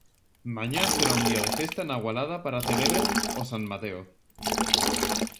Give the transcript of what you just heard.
Mañá será un día de festa na Agualada para celebran o San Mateo.